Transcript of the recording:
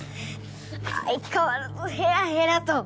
相変わらずヘラヘラと！